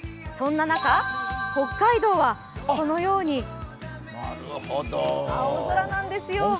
そんな中、北海道はこのように青空なんですよ。